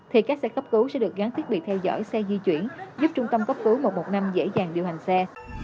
thì các xe cấp cứu sẽ được gắn thiết bị theo dõi xe di chuyển giúp trung tâm cấp cứu một trăm một mươi năm dễ dàng điều hành xe